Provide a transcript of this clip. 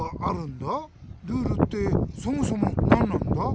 ルールってそもそも何なんだ？